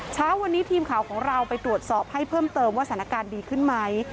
เช้าวันนี้ทีมข่าวของเราไปตรวจสอบให้เพิ่มเติมว่าสถานการณ์ดีขึ้นไหม